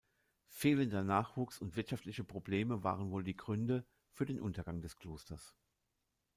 Fehlender Nachwuchs und wirtschaftliche Probleme waren wohl die Gründe für den Untergang des Klosters.